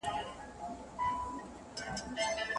ړوند ډاکټر په ګڼ ځای کي اوږده کیسه نه وه کړې.